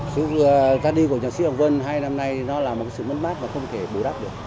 sự ra đi của nhạc sĩ hoàng vân hai năm nay là một sự mất mát và không thể bù ra